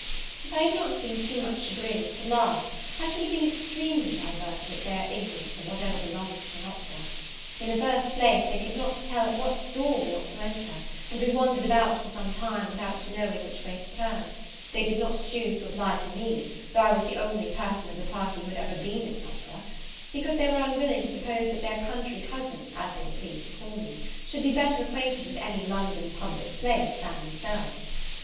If I had not been too much chagrined to laugh, I should have been extremely diverted at their ignorance of whatever belongs to an opera. In the first place they could not tell at what door we ought to enter, and we wandered about for some time, without knowing which way to turn: they did not choose to apply to me, though I was the only person of the party who had ever before been at an opera; because they were unwilling to suppose that their country counsin, as they were pleased to call me, should be better acquainted with any London public place than themselves.